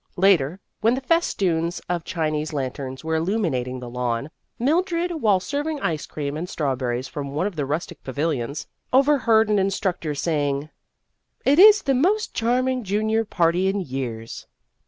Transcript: Later, when the festoons of Chinese lan terns were illuminating the lawn, Mildred, while serving ice cream and strawberries from one of the rustic pavilions, overheard an instructor saying, " It is the most charming junior party in years."